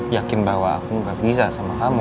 yakin bahwa aku gak bisa sama kamu